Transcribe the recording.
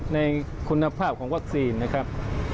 ในคุณภาพของวัคซีนนะครับ